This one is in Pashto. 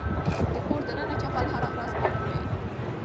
د کور دننه چپل هره ورځ پاک کړئ.